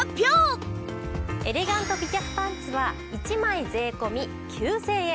エレガント美脚パンツは１枚税込９０００円。